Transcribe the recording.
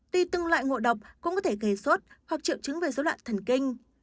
tuy từng loại ngồi đọc cũng có thể kề xuất hoặc triệu chứng về dấu loạn thần kinh